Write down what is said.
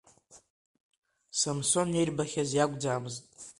Самсон ирбахьаз иакәӡамызт.